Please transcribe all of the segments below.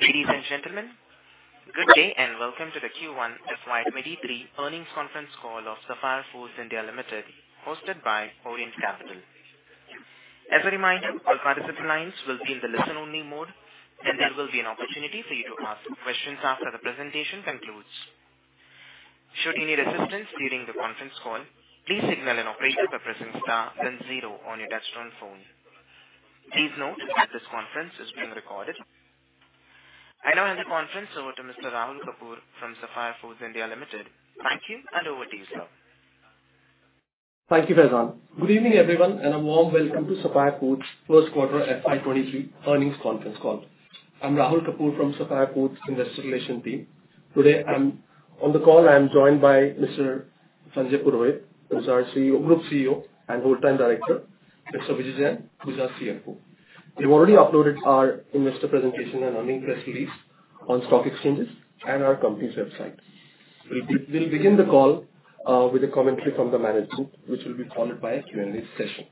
Ladies and gentlemen, good day, and welcome to the Q1 FY 2023 Earnings Conference Call of Sapphire Foods India Limited, hosted by Orient Capital. As a reminder, all participant lines will be in the listen-only mode, and there will be an opportunity for you to ask questions after the presentation concludes. Should you need assistance during the conference call, please signal an operator by pressing star then zero on your touchtone phone. Please note that this conference is being recorded. I now hand the conference over to Mr. Rahul Kapoor from Sapphire Foods India Limited. Thank you, and over to you, sir. Thank you, Faizan. Good evening, everyone, and a warm welcome to Sapphire Foods' first quarter FY 2023 earnings conference call. I'm Rahul Kapoor from Sapphire Foods' Investor Relations team. Today on the call, I am joined by Mr. Sanjay Purohit, who's our Group CEO and Whole Time Director, and Mr. Vijay Jain, who's our CFO. We've already uploaded our investor presentation and earnings press release on stock exchanges and our company's website. We'll begin the call with a commentary from the management, which will be followed by a Q&A session.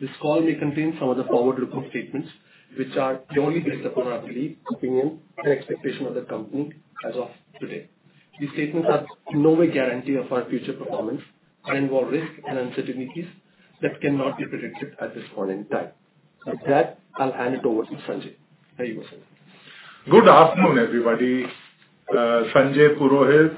This call may contain some of the forward-looking statements which are purely based upon our belief, opinion and expectation of the company as of today. These statements are in no way guarantee of our future performance and involve risks and uncertainties that cannot be predicted at this point in time. With that, I'll hand it over to Sanjay. Over to you, Sanjay. Good afternoon, everybody. Sanjay Purohit,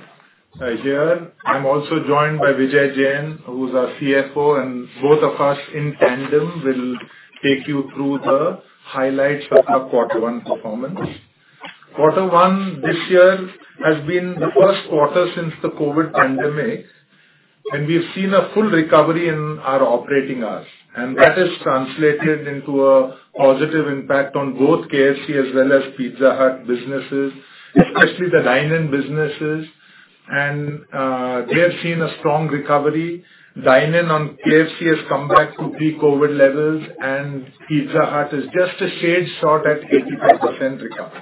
here. I'm also joined by Vijay Jain, who's our CFO, and both of us in tandem will take you through the highlights of our quarter one performance. Quarter one this year has been the first quarter since the COVID pandemic, and we've seen a full recovery in our operating hours. And that has translated into a positive impact on both KFC as well as Pizza Hut businesses, especially the dine-in businesses. And we have seen a strong recovery. Dine-in on KFC has come back to pre-COVID levels, and Pizza Hut is just a shade short at 85% recovery.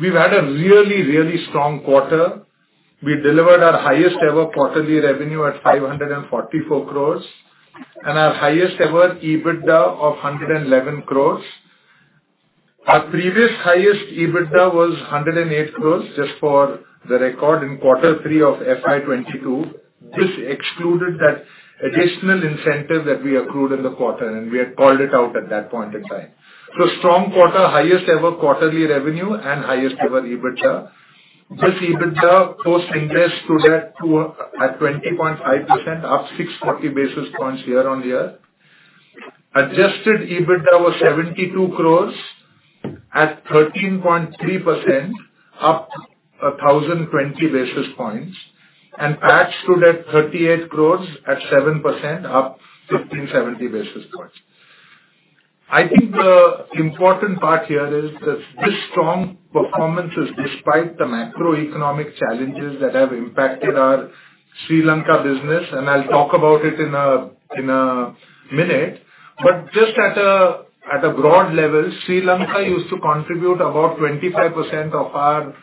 We've had a really strong quarter. We delivered our highest ever quarterly revenue at 544 crore and our highest ever EBITDA of 111 crore. Our previous highest EBITDA was 108 crore, just for the record, in Q3 of FY 2022. This excluded that additional incentive that we accrued in the quarter, and we had called it out at that point in time. For strong quarter, highest ever quarterly revenue and highest ever EBITDA. This EBITDA, post-interest stood at 20.5%, up 640 basis points year-on-year. Adjusted EBITDA was 72 crore at 13.3%, up 1,020 basis points. And PAT stood at 38 crore at 7%, up 1,570 basis points. I think the important part here is that this strong performance is despite the macroeconomic challenges that have impacted our Sri Lanka business, and I'll talk about it in a minute. But just at a broad level, Sri Lanka used to contribute about 25% of our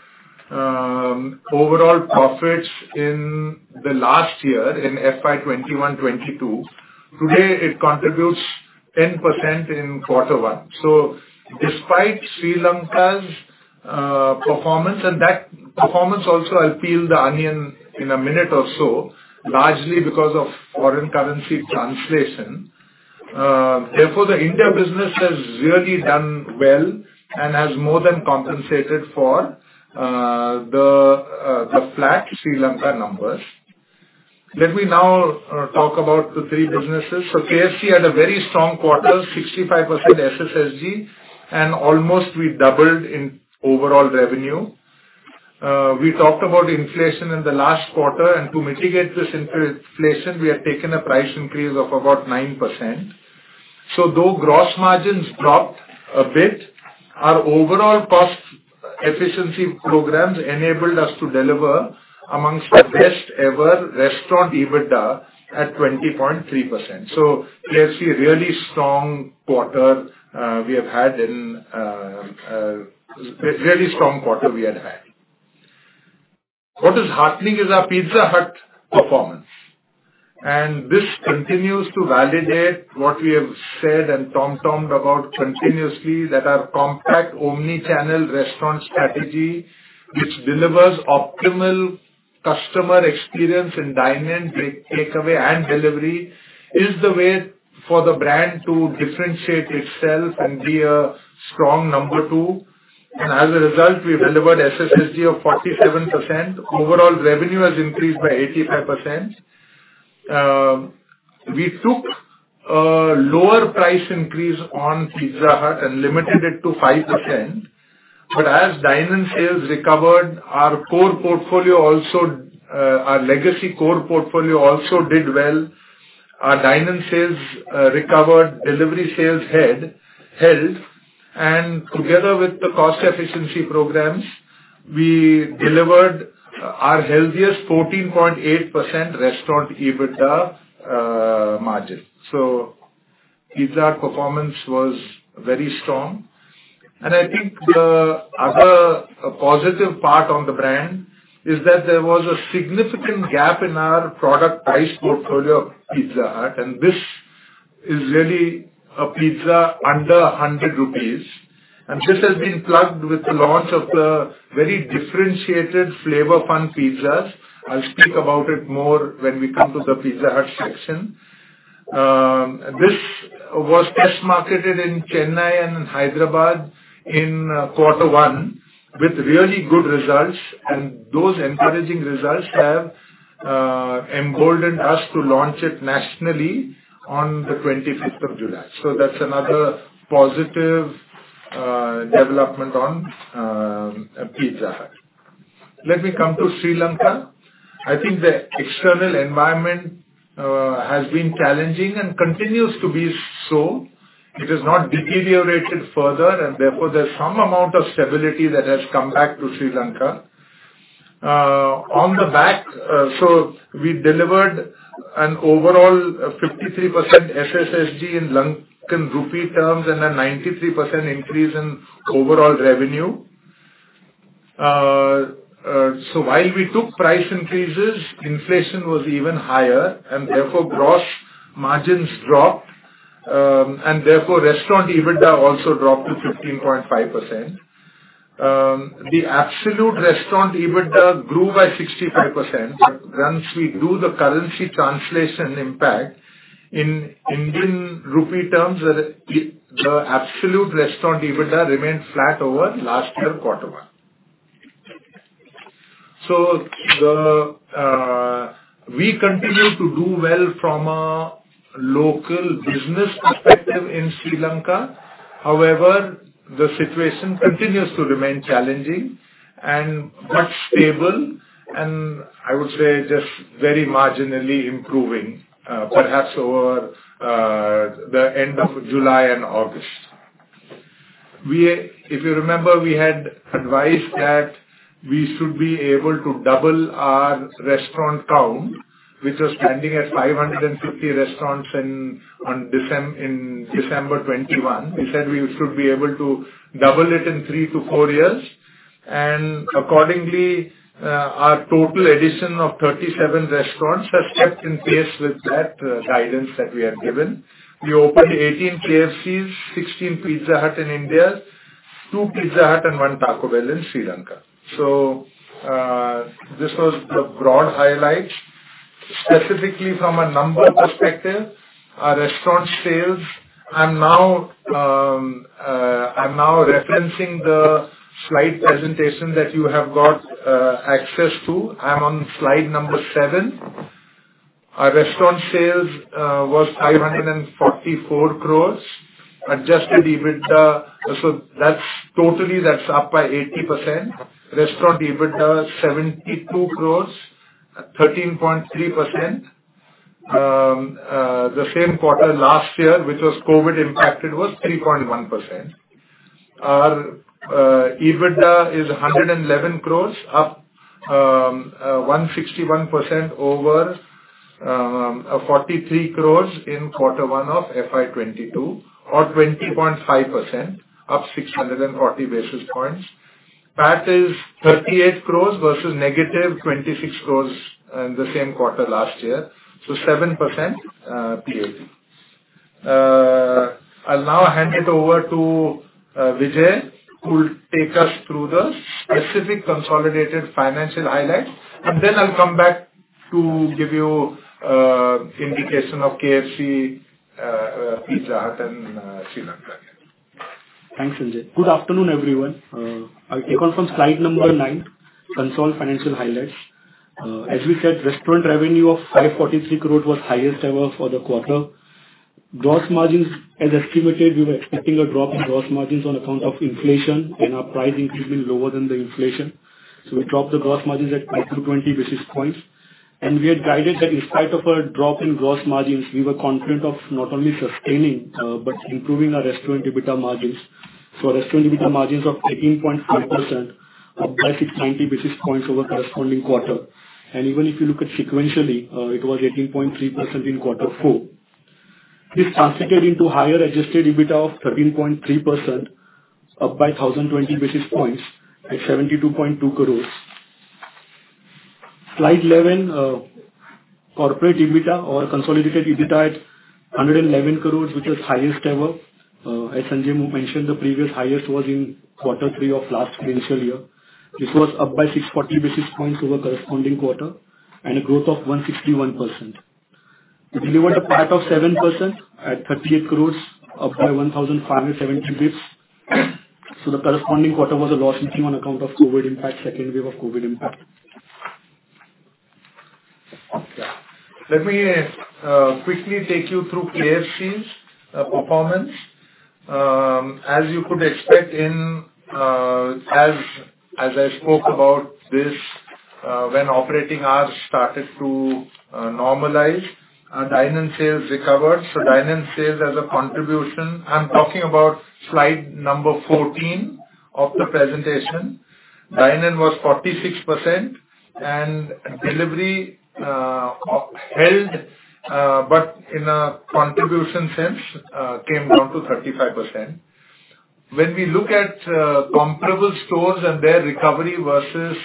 overall profits in the last year in FY 2021-2022. Today it contributes 10% in Q1. So despite Sri Lanka's performance, and that performance also I'll peel the onion in a minute or so, largely because of foreign currency translation. Therefore, the India business has really done well and has more than compensated for the flat Sri Lanka numbers. Let me now talk about the three businesses. KFC had a very strong quarter, 65% SSSG, and almost we doubled in overall revenue. We talked about inflation in the last quarter, and to mitigate this inflation, we have taken a price increase of about 9%. So though gross margins dropped a bit, our overall cost efficiency programs enabled us to deliver among the best ever restaurant EBITDA at 20.3%. So KFC, really strong quarter we had. What is heartening is our Pizza Hut performance, and this continues to validate what we have said and tom-tommed about continuously that our compact omni-channel restaurant strategy, which delivers optimal customer experience in dine-in, takeaway and delivery, is the way for the brand to differentiate itself and be a strong number two. As a result, we've delivered SSSG of 47%. Overall revenue has increased by 85%. We took a lower price increase on Pizza Hut and limited it to 5%. As dine-in sales recovered, our legacy core portfolio also did well. Our dine-in sales recovered, delivery sales held, and together with the cost efficiency programs, we delivered our healthiest 14.8% restaurant EBITDA margin. Pizza Hut performance was very strong. I think the other positive part on the brand is that there was a significant gap in our product price portfolio of Pizza Hut, and this is really a pizza under 100 rupees, and this has been plugged with the launch of the very differentiated Flavor Fun pizzas. I'll speak about it more when we come to the Pizza Hut section. This was test marketed in Chennai and Hyderabad in quarter one with really good results. An those encouraging results have emboldened us to launch it nationally on the 25th of July. That's another positive development on Pizza Hut. Let me come to Sri Lanka. I think the external environment has been challenging and continues to be so. It has not deteriorated further, and therefore, there's some amount of stability that has come back to Sri Lanka. On the back of, we delivered an overall 53% SSSG in LKR terms and a 93% increase in overall revenue. While we took price increases, inflation was even higher, and therefore, gross margins dropped. Therefore, restaurant EBITDA also dropped to 15.5%. The absolute restaurant EBITDA grew by 65%. Once we do the currency translation impact in INR terms, the absolute restaurant EBITDA remained flat over last year quarter one. We continue to do well from a local business perspective in Sri Lanka. However, the situation continues to remain challenging but stable, and I would say just very marginally improving, perhaps over the end of July and August. If you remember, we had advised that we should be able to double our restaurant count, which was standing at 550 restaurants in December 2021. We said we should be able to double it in three-four years. Accordingly, our total addition of 37 restaurants has kept in pace with that guidance that we have given. We opened 18 KFCs, 16 Pizza Hut in India, two Pizza Hut and one Taco Bell in Sri Lanka. So this was the broad highlights. Specifically from a number perspective, our restaurant sales. I'm now referencing the slide presentation that you have got access to. I'm on slide number seven. Our restaurant sales was 544 crores. Adjusted EBITDA up by 80%. Restaurant EBITDA, 72 crores, 13.3%. The same quarter last year, which was COVID impacted, was 3.1%. Our EBITDA is 111 crores, up 161% over 43 crores in quarter one of FY 2022 or 20.5%, up 640 basis points. PAT is 38 crores versus negative 26 crores in the same quarter last year. 7% PAT. I'll now hand it over to Vijay, who will take us through the specific consolidated financial highlights. And then I'll come back to give you indication of KFC, Pizza Hut in Sri Lanka. Thanks, Sanjay. Good afternoon, everyone. I'll take over from slide number nine, consolidated financial highlights. As we said, restaurant revenue of 543 crore was highest ever for the quarter. Gross margins, as estimated, we were expecting a drop in gross margins on account of inflation and our price increase being lower than the inflation. We dropped the gross margins at 520 basis points. And we had guided that in spite of a drop in gross margins, we were confident of not only sustaining, but improving our restaurant EBITDA margins. Restaurant EBITDA margins of 18.3%, up by 690 basis points over corresponding quarter. And even if you look at sequentially, it was 18.3% in quarter four. This translated into higher adjusted EBITDA of 13.3%, up by 1,020 basis points at 72.2 crores. Slide 11, corporate EBITDA or consolidated EBITDA at 111 crores, which is highest ever. As Sanjay mentioned, the previous highest was in quarter three of last financial year. This was up by 640 basis points over corresponding quarter and a growth of 161%. We delivered a PAT of 7% at 38 crores, up by 1,570 basis points. The corresponding quarter was a loss we took on account of COVID impact, second wave of COVID impact. Let me quickly take you through KFC's performance. As you could expect, as I spoke about this, when operating hours started to normalize, our dine-in sales recovered. Dine-in sales as a contribution, I'm talking about slide number 14 of the presentation. Dine-in was 46% and delivery held, but in a contribution sense, came down to 35%. When we look at comparable stores and their recovery versus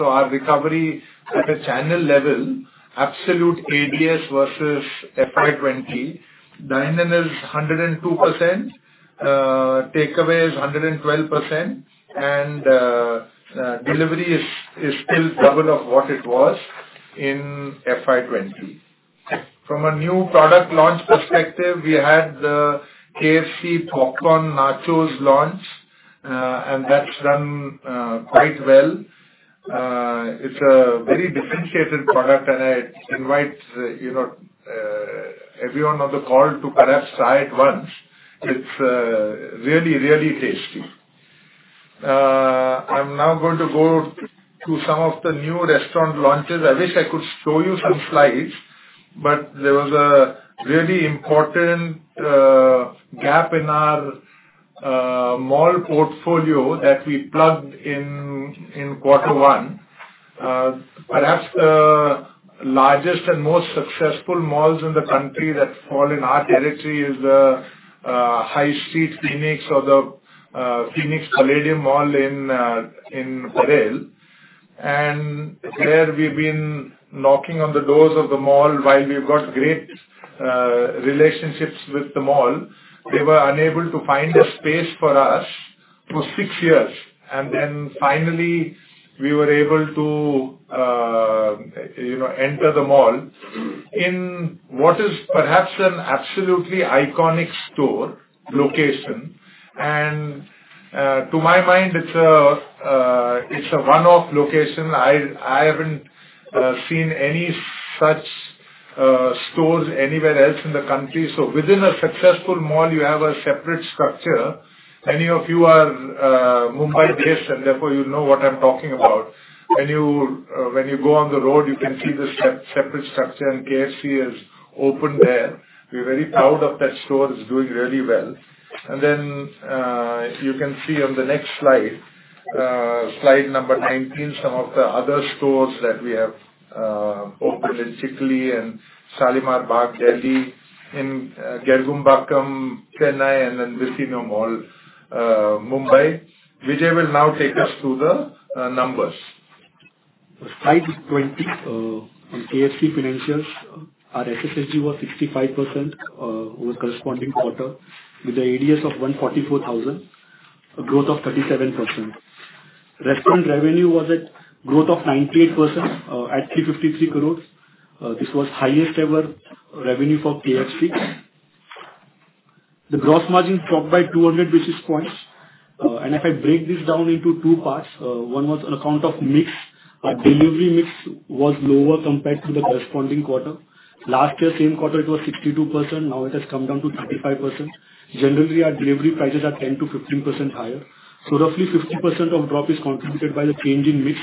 our recovery at a channel level, absolute ADS versus FY 2020, dine-in is 102%, takeaway is 112%, and delivery is still double of what it was in FY 2020. From a new product launch perspective, we had the KFC Popcorn Nachos launch, and that's done quite well. It's a very differentiated product, and I invite, you know, everyone on the call to perhaps try it once. It's really, really tasty. I'm now going to go to some of the new restaurant launches. I wish I could show you some slides, but there was a really important gap in our mall portfolio that we plugged in quarter one. Perhaps the largest and most successful malls in the country that fall in our territory is the High Street Phoenix or the Phoenix Palladium Mall in Parel. And there we've been knocking on the doors of the mall. While we've got great relationships with the mall, they were unable to find a space for us for six years. And finally we were able to, you know, enter the mall in what is perhaps an absolutely iconic store location. And to my mind, it's a one-off location. I haven't seen any such stores anywhere else in the country. So within a successful mall, you have a separate structure. Many of you are Mumbai-based, and therefore you know what I'm talking about. When you go on the road, you can see the separate structure, and KFC is open there. We're very proud of that store. It's doing really well. And then you can see on the next slide number 19, some of the other stores that we have opened in Chikhli and Shalimar Bagh, Delhi, in Guindy, Chennai and then Viviana Mall, Mumbai. Vijay will now take us through the numbers. Slide 20 on KFC financials. Our SSG was 65% over corresponding quarter with the ADS of 144,000, a growth of 37%. Restaurant revenue was at growth of 98% at 353 crores. This was highest ever revenue for KFC. The gross margin dropped by 200 basis points. If I break this down into two parts, one was on account of mix. Our delivery mix was lower compared to the corresponding quarter. Last year, same quarter, it was 62%. Now it has come down to 35%. Generally, our delivery prices are 10%-15% higher. So roughly 50% of drop is contributed by the change in mix.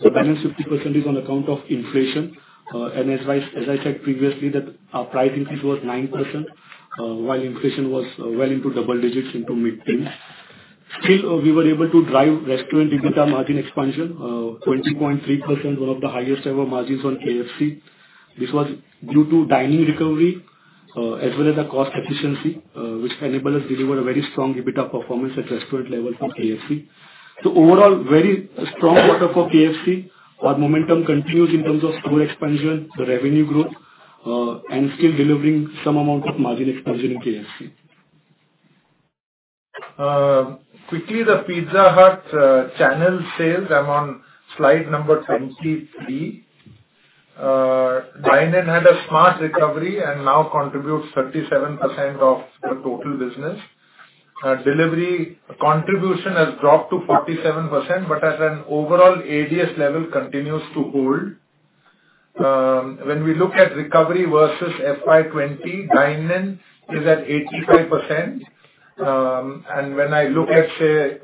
The balance 50% is on account of inflation. As I checked previously that our price increase was 9%, while inflation was well into double digits into mid-teens. We were able to drive restaurant EBITDA margin expansion, 20.3%, one of the highest ever margins on KFC. This was due to dining recovery, as well as the cost efficiency, which enable us deliver a very strong EBITDA performance at restaurant level for KFC. So overall, very strong quarter for KFC. Our momentum continues in terms of store expansion, the revenue growth, and still delivering some amount of margin expansion in KFC. Quickly, the Pizza Hut channel sales. I'm on slide number 23. Dine-in had a smart recovery and now contributes 37% of the total business. Delivery contribution has dropped to 47%, but as an overall ADS level continues to hold. When we look at recovery versus FY 2020, dine-in is at 85%.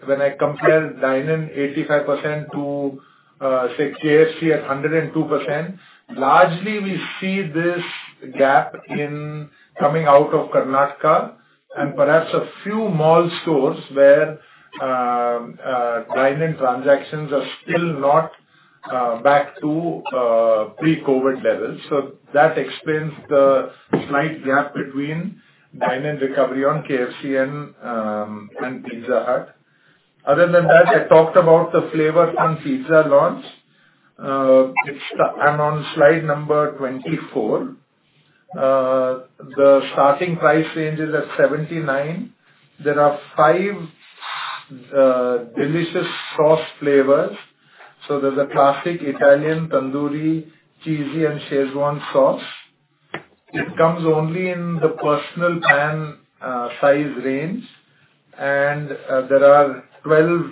When I compare dine-in 85% to, say, KFC at 102%, largely we see this gap in coming out of Karnataka and perhaps a few mall stores where dine-in transactions are still not back to pre-COVID levels. That explains the slight gap between dine-in recovery on KFC and Pizza Hut. Other than that, I talked about the Flavor Fun Pizza launch. I'm on slide number 24. The starting price range is at 79. There are five delicious sauce flavors. There's a classic Italian tandoori, cheesy, and Schezwan sauce. It comes only in the personal pan size range. There are 12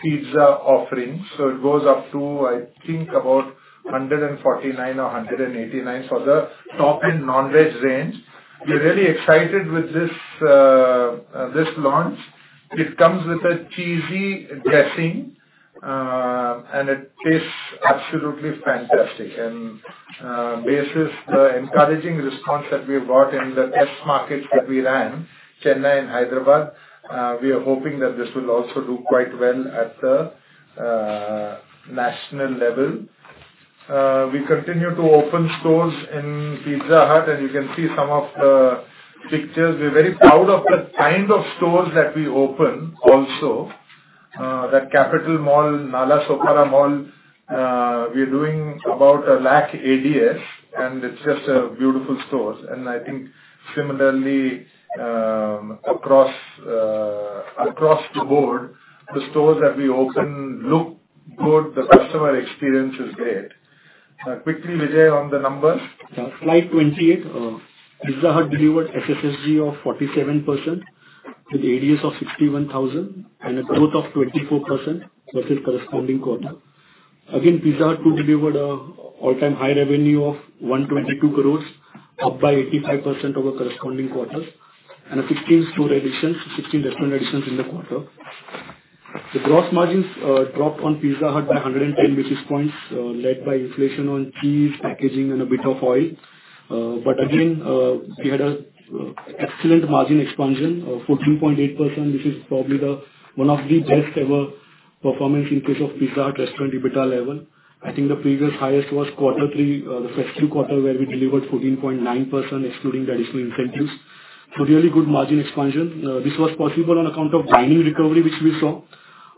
pizza offerings. It goes up to, I think about 149 or 189 for the top-end non-veg range. We're really excited with this launch. It comes with a cheesy dressing and it tastes absolutely fantastic. Basis the encouraging response that we have got in the test markets that we ran, Chennai and Hyderabad, we are hoping that this will also do quite well at the national level. We continue to open stores in Pizza Hut, and you can see some of the pictures. We're very proud of the kind of stores that we open also. That Capital Mall, Nalasopara Mall, we're doing about 1 lakh ADS, and it's just a beautiful stores. I think similarly, across the board, the stores that we open look good, the customer experience is great. Quickly, Vijay, on the numbers. Slide 28. Pizza Hut delivered SSSG of 47% with ADS of 61,000 and a growth of 24% versus corresponding quarter. Again, Pizza Hut too delivered an all-time high revenue of 122 crores, up by 85% over corresponding quarter. 15 store additions, 16 restaurant additions in the quarter. The gross margins dropped on Pizza Hut by 110 basis points, led by inflation on cheese, packaging and a bit of oil. But again, we had an excellent margin expansion of 14.8%, which is probably one of the best ever performance in case of Pizza Hut restaurant EBITDA level. I think the previous highest was quarter three, the first two quarters where we delivered 14.9% excluding the additional incentives. Really good margin expansion. This was possible on account of dining recovery, which we saw.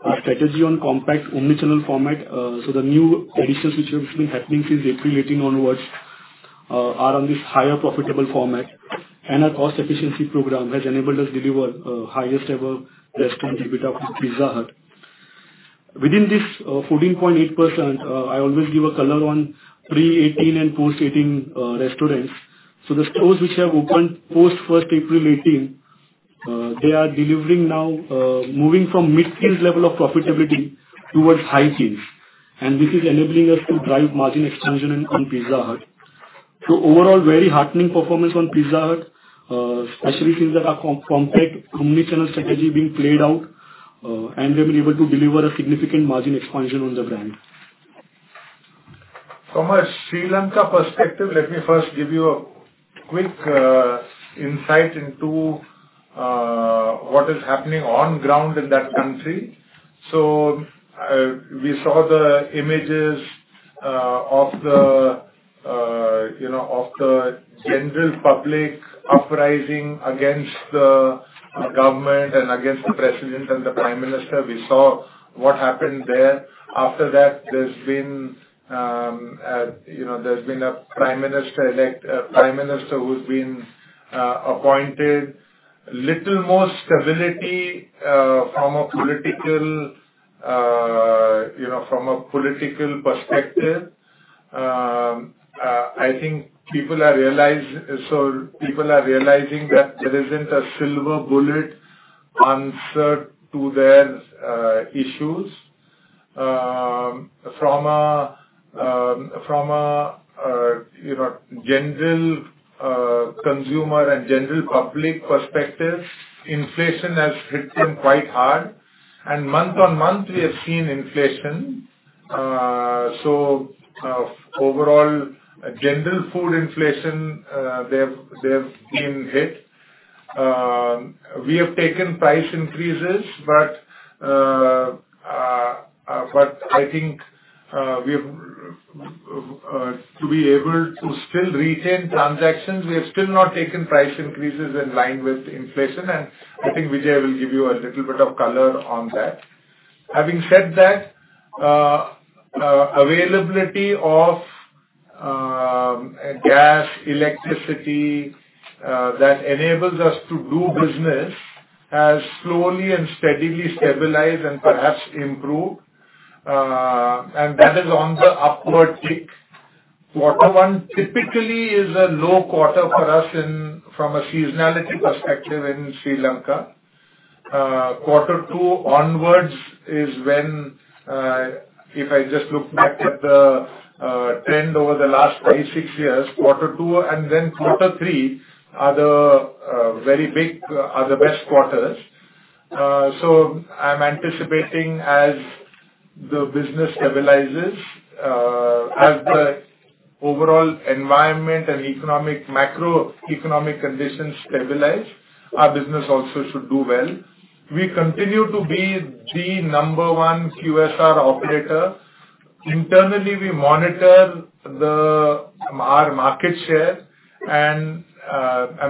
Our strategy on compact omnichannel format. The new additions which have been happening since April 2018 onwards are on this higher profitable format. Our cost efficiency program has enabled us deliver highest ever restaurant EBITDA with Pizza Hut. Within this, 14.8%, I always give a color on pre-2018 and post-2018 restaurants. The stores which have opened post first April 2018 they are delivering now, moving from mid-tier level of profitability towards high-tier. This is enabling us to drive margin expansion on Pizza Hut. So overall, very heartening performance on Pizza Hut. Especially since the compact omnichannel strategy being played out, and we're able to deliver a significant margin expansion on the brand. From a Sri Lanka perspective, let me first give you a quick insight into what is happening on ground in that country. We saw the images of you know of the general public uprising against the government and against the president and the prime minister. We saw what happened there. After that, there's been a prime minister elect, a prime minister who's been appointed. Little more stability from a political perspective. I think people are realizing that there isn't a silver bullet answer to their issues. From a general consumer and general public perspective, inflation has hit them quite hard. And month-on-month we have seen inflation. Overall general food inflation, they have been hit. We have taken price increases, but I think, to be able to still retain transactions, we have still not taken price increases in line with inflation. I think Vijay will give you a little bit of color on that. Having said that, availability of gas, electricity, that enables us to do business has slowly and steadily stabilized and perhaps improved. That is on the upward tick. Quarter one typically is a low quarter for us from a seasonality perspective in Sri Lanka. Quarter two onwards is when, if I just look back at the trend over the last five, six years, quarter two and then quarter three are the very big, are the best quarters. I'm anticipating as the business stabilizes, as the overall environment and economic, macro-economic conditions stabilize, our business also should do well. We continue to be the number one QSR operator. Internally, we monitor our market share and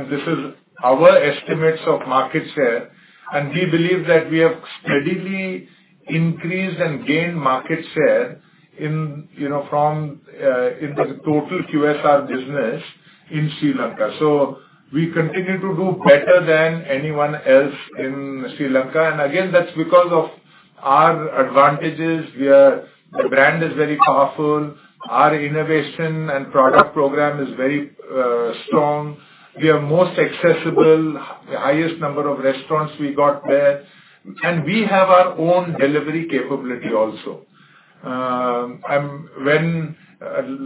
this is our estimates of market share. And we believe that we have steadily increased and gained market share in, you know, from, in the total QSR business in Sri Lanka. So we continue to do better than anyone else in Sri Lanka. And again, that's because of our advantages. The brand is very powerful. Our innovation and product program is very strong. We are most accessible, the highest number of restaurants we got there. We have our own delivery capability also. When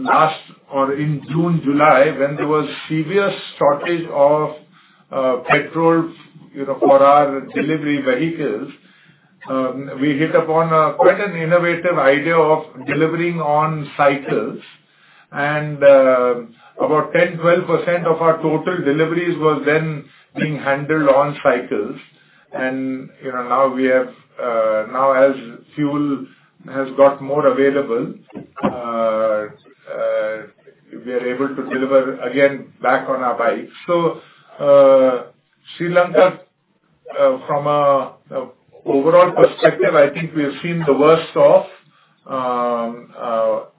last year in June, July, when there was severe shortage of petrol, you know, for our delivery vehicles, we hit upon quite an innovative idea of delivering on cycles. And about 10, 12% of our total deliveries was then being handled on cycles. And you know, as fuel has got more available, we are able to deliver again back on our bikes. Sri Lanka, from an overall perspective, I think we have seen the worst of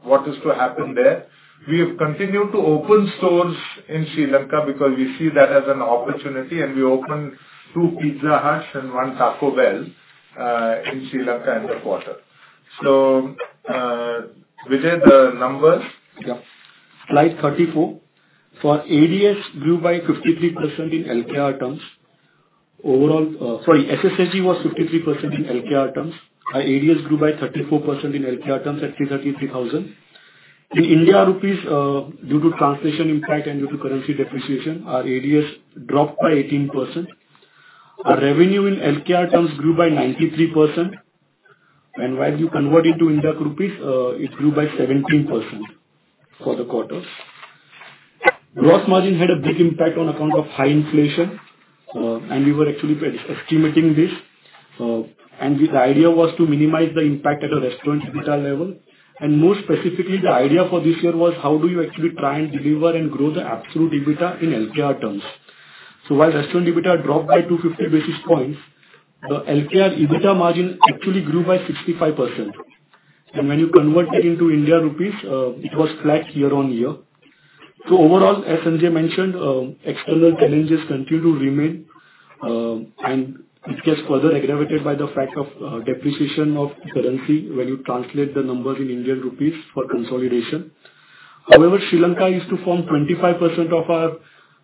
what is to happen there. We have continued to open stores in Sri Lanka because we see that as an opportunity, and we opened two Pizza Hut and one Taco Bell in Sri Lanka in the quarter. Vijay, the numbers? Yeah. Slide 34. SSSG grew by 53% in LKR terms. Overall, sorry, SSSG was 53% in LKR terms. Our ADS grew by 34% in LKR terms at LKR 333,000. In Indian rupees, due to translation impact and due to currency depreciation, our ADS dropped by 18%. Our revenue in LKR terms grew by 93%. While you convert it to Indian rupees, it grew by 17% for the quarter. Gross margin had a big impact on account of high inflation, and we were actually pre-estimating this. The idea was to minimize the impact at a restaurant EBITDA level. And more specifically, the idea for this year was how do you actually try and deliver and grow the absolute EBITDA in LKR terms? So while restaurant EBITDA dropped by 250 basis points, the LKR EBITDA margin actually grew by 65%. When you convert that into Indian rupees, it was flat year-over-year. Overall, as Sanjay mentioned, external challenges continue to remain, and it gets further aggravated by the fact of depreciation of currency when you translate the numbers in Indian rupees for consolidation. However, Sri Lanka used to form 25% of our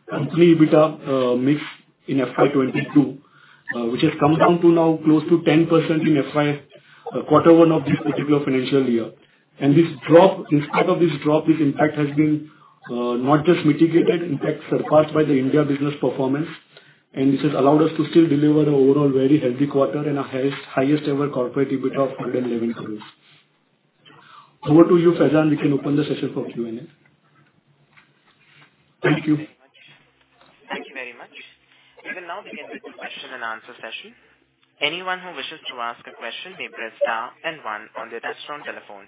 company EBITDA mix in FY 2022, which has come down to now close to 10% in FY quarter one of this particular financial year. In spite of this drop, this impact has been not just mitigated, in fact surpassed by the India business performance. And this has allowed us to still deliver an overall very healthy quarter and our highest ever corporate EBITDA of 111 crores. Over to you, Faizan. We can open the session for Q&A. Thank you. Thank you very much. We will now begin with the question and answer session. Anyone who wishes to ask a question may press star and one on their touchtone telephone.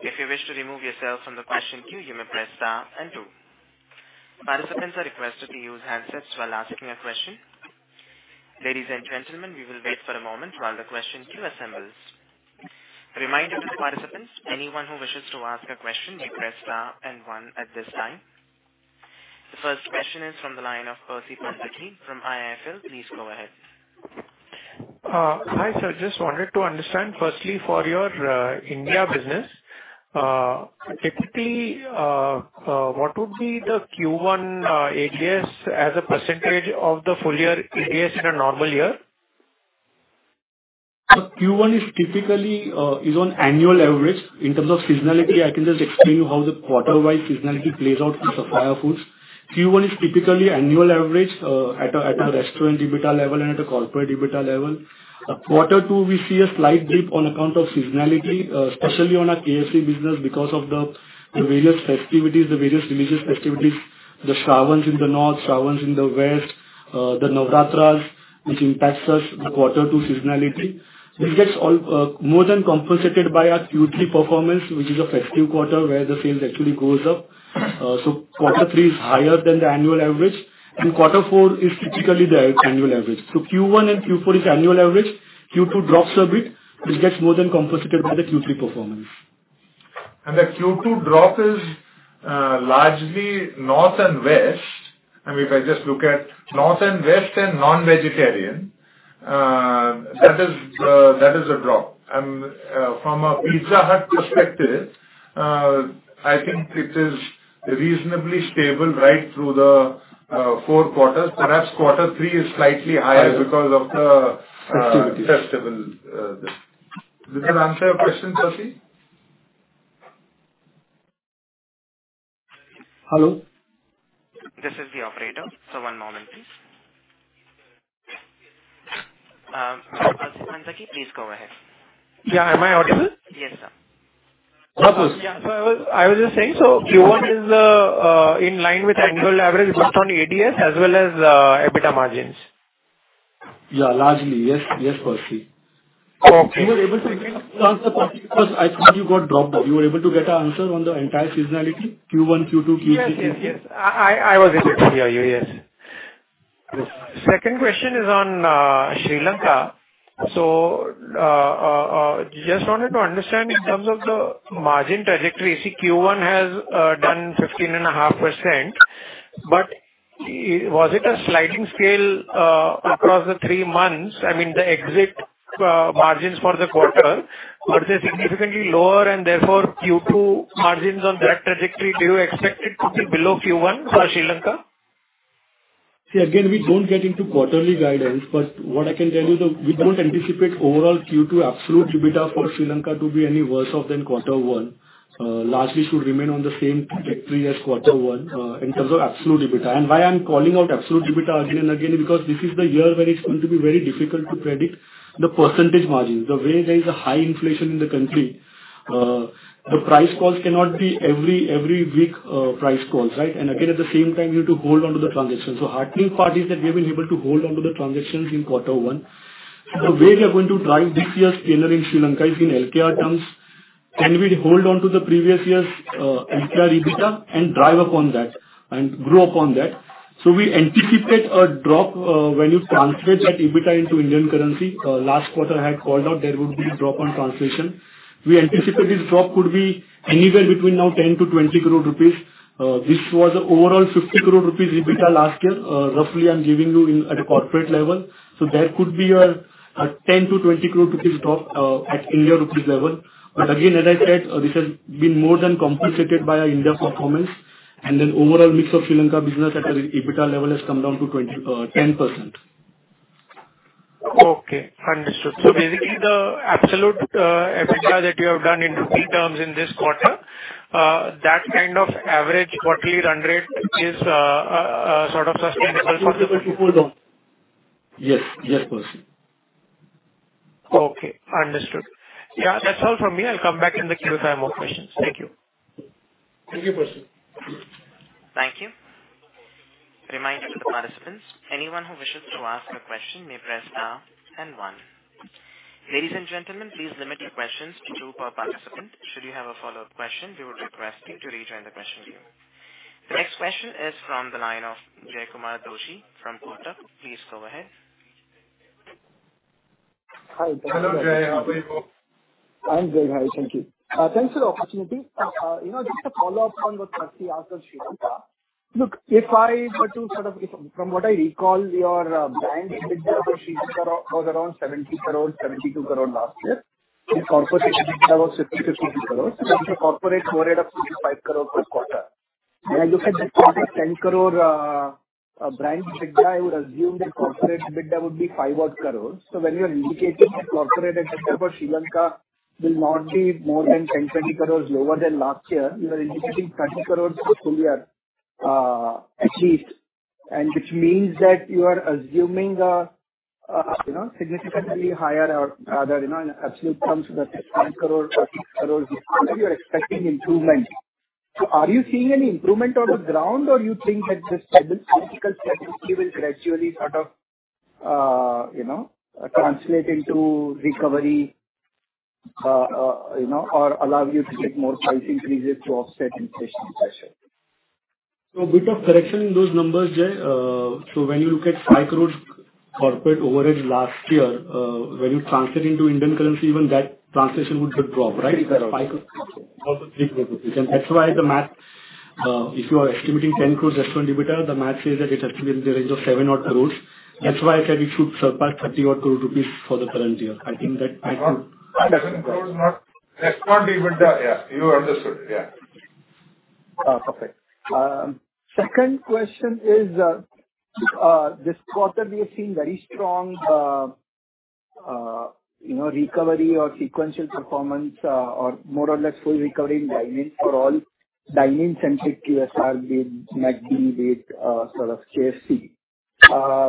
If you wish to remove yourself from the question queue, you may press star and two. Participants are requested to use handsets while asking a question. Ladies and gentlemen, we will wait for a moment while the question queue assembles. A reminder to participants, anyone who wishes to ask a question may press star and one at this time. The first question is from the line of Percy Panthaki from IIFL. Please go ahead. Hi, sir. Just wanted to understand firstly for your India business, typically, what would be the Q1 ADS as a percentage of the full year ADS in a normal year? Q1 is typically on annual average. In terms of seasonality, I can just explain to you how the quarter-wise seasonality plays out in Sapphire Foods. Q1 is typically annual average at a restaurant EBITDA level and at a corporate EBITDA level. Quarter two, we see a slight dip on account of seasonality, especially on our KFC business because of the various festivities, the various religious festivities, the Shravan in the North, Shravan in the West, the Navaratri, which impacts us the quarter two seasonality. This gets well more than compensated by our Q3 performance, which is a festive quarter where the sales actually goes up. Quarter three is higher than the annual average, and quarter four is typically the annual average. Q1 and Q4 is annual average. Q2 drops a bit, which gets more than compensated by the Q3 performance. The Q2 drop is largely North and West. I mean, if I just look at North and West and non-vegetarian, that is a drop. From a Pizza Hut perspective, I think it is reasonably stable right through the four quarters. Perhaps quarter three is slightly higher because of the. -festival, yes. Does that answer your question, Percy? Hello? This is the operator, so one moment please. Percy Panthaki, please go ahead. Yeah, am I audible? Yes, sir. Of course. I was just saying, Q1 is in line with annual average both on ADS as well as EBITDA margins. Yeah, largely. Yes, yes, Percy. Okay. You were able to get the answer, Percy, because I think you got dropped there. You were able to get an answer on the entire seasonality, Q1, Q2, Q3, Q4? Yes. I was able to hear you, yes. Yes. Second question is on Sri Lanka. Just wanted to understand in terms of the margin trajectory. See, Q1 has done 15.5%, but was it a sliding scale across the three months? I mean, the exit margins for the quarter, are they significantly lower and therefore Q2 margins on that trajectory, do you expect it to be below Q1 for Sri Lanka? See, again, we don't get into quarterly guidance, but what I can tell you though, we don't anticipate overall Q2 absolute EBITDA for Sri Lanka to be any worse off than quarter one. Largely should remain on the same trajectory as quarter one, in terms of absolute EBITDA. Why I'm calling out absolute EBITDA again and again is because this is the year where it's going to be very difficult to predict the percentage margin. The way there is a high inflation in the country. The price calls cannot be every week, price calls, right? Again, at the same time, you need to hold onto the transition. Heartening part is that we have been able to hold onto the transitions in quarter one. The way we are going to drive this year's tailoring Sri Lanka is in LKR terms, and we'll hold on to the previous year's LKR EBITDA and drive upon that and grow upon that. So we anticipate a drop when you translate that EBITDA into Indian currency. Last quarter I had called out there would be a drop on translation. We anticipate this drop could be anywhere between now 10 crore-20 crore rupees. This was overall 50 crore rupees EBITDA last year. Roughly I'm giving you in at a corporate level. So that could be a 10 crore-20 crore rupees drop at Indian rupees level. But again, as I said, this has been more than compensated by our India performance. And then overall mix of Sri Lanka business at an EBITDA level has come down to 20%-10%. Okay, understood. Basically the absolute EBITDA that you have done in rupee terms in this quarter, that kind of average quarterly run rate is sort of sustainable for- We'll be able to hold on. Yes. Yes, Percy. Okay, understood. Yeah, that's all from me. I'll come back in the queue if I have more questions. Thank you. Thank you, Percy. Thank you. Reminder to the participants, anyone who wishes to ask a question may press star and one. Ladies and gentlemen, please limit your questions to two per participant. Should you have a follow-up question, we would request you to rejoin the question queue. The next question is from the line of Jaykumar Doshi from Kotak. Please go ahead. Hi. Hello, Jay. How are you? I'm very happy, thank you. Thanks for the opportunity. You know, just to follow up on what Percy asked on Sri Lanka. From what I recall, your brand EBITDA for Sri Lanka was around 70 crore-72 crore last year. Your corporate EBITDA was 50 crore-52 crore. That's a corporate overhead of 25 crore per quarter. When I look at that quarter 10 crore brand EBITDA, I would assume that corporate EBITDA would be five-odd crores. When you are indicating that corporate EBITDA for Sri Lanka will not be more than 10 crore-20 crores lower than last year, you are indicating 30 crores for full year, at least, and which means that you are assuming a, you know, significantly higher or rather, you know, in absolute terms the INR 10 crore or INR 6 crore you are expecting improvement. Are you seeing any improvement on the ground or you think that this political stability will gradually sort of, you know, translate into recovery, you know, or allow you to take more price increases to offset inflation, et cetera? A bit of correction in those numbers, Jay. When you look at 5 crore corporate overhead last year, when you translate into Indian currency, even that translation would have dropped, right? Almost INR 3 crore. That's why the math, if you are estimating 10 crore restaurant EBITDA, the math says that it has to be in the range of 7-odd crore. That's why I said it should surpass 30-odd crore rupees for the current year. INR 7 crore not restaurant EBITDA. Yeah. You understood. Yeah. Perfect. Second question is, this quarter we have seen very strong, you know, recovery or sequential performance or more or less full recovery in dine-in for all dine-in-centric QSR be it McDonald's, be it KFC.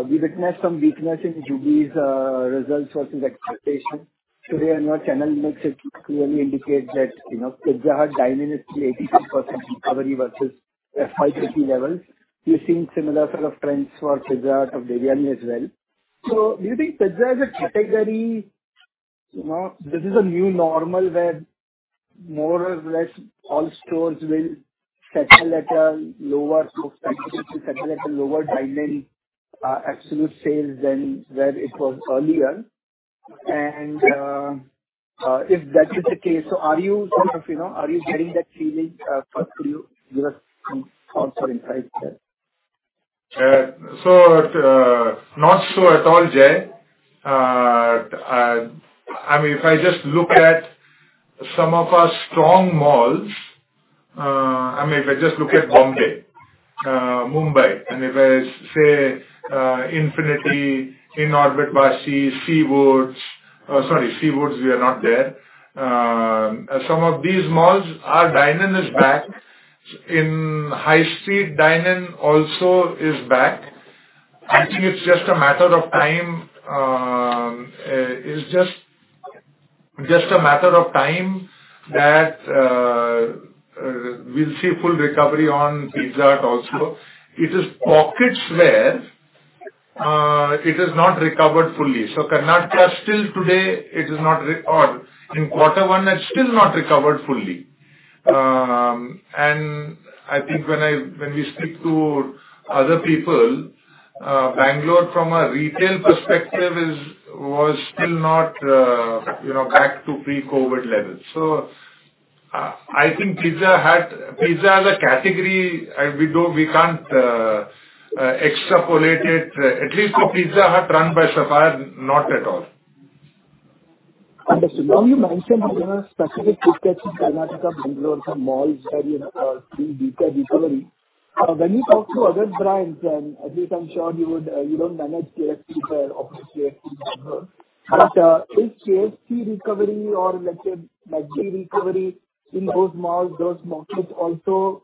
We witnessed some weakness in Jubilant's results versus expectation. To date on your channel mix it clearly indicates that, you know, Pizza Hut dine-in is 83% recovery versus 550 levels. We're seeing similar sort of trends for Pizza Hut or Biryani as well. Do you think Pizza as a category, you know, this is a new normal where more or less all stores will settle at a lower footfall, settle at a lower dine-in, absolute sales than where it was earlier. If that is the case, so are you sort of, you know, are you getting that feeling, first for you? Give us some thoughts or insights there. Not so at all, Jay. I mean, if I just look at some of our strong malls, I mean, if I just look at Bombay, Mumbai, and if I say, Infinity, Inorbit Vashi, Seawoods. Sorry, Seawoods we are not there. Some of these malls, our dine-in is back. In high street dine-in also is back. I think it's just a matter of time that we'll see full recovery on Pizza Hut also. It is in pockets where it has not recovered fully. Karnataka still today it is not recovered or in quarter one, it's still not recovered fully. I think when we speak to other people, Bangalore from a retail perspective was still not, you know, back to pre-COVID levels. I think Pizza Hut, pizza as a category, we can't extrapolate it, at least for Pizza Hut run by Sapphire, not at all. Understood. When you mentioned, you know, specific footfalls in Karnataka, Bangalore, some malls where, you know, seeing better recovery. When you talk to other brands, and Sanjay I'm sure you would, you don't manage KFC there or KFC Bangalore. But, is KFC recovery or let's say McDonald's recovery in those malls, those markets also